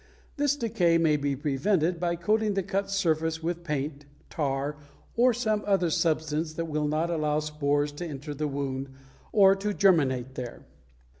This decay may be prevented by coating the cut surface with paint, tar, or some other substance that will not allow spores to enter the wound or to germinate there.